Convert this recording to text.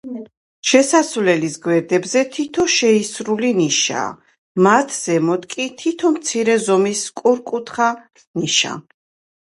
შესასვლელის გვერდებზე თითო შეისრული ნიშაა, მათ ზემოთ კი, თითო მცირე ზომის სწორკუთხა ნიშა.